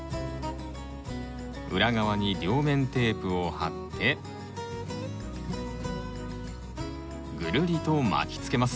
裏側に両面テープを貼ってぐるりと巻きつけます。